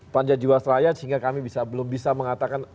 panja jiwasraya sehingga kami belum bisa mengatakan